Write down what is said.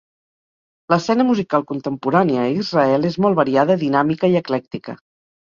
L'escena musical contemporània a Israel és molt variada, dinàmica i eclèctica.